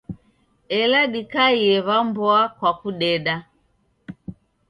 Ela dikaie w'a mboa kwa kudeda.